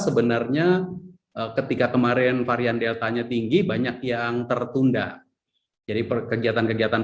sebenarnya ketika kemarin varian deltanya tinggi banyak yang tertunda jadi kegiatan kegiatan